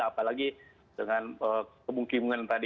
apalagi dengan kemungkinan tadi